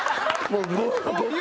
もう。